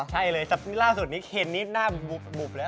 ใช่เลยแต่ล่าสุดนี้เคนนี่หน้าบุบแล้ว